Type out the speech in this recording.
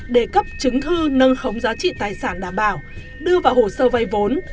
để cấp chứng thư nâng khống giá trị tài sản đảm bảo đưa vào hồ sơ vay vốn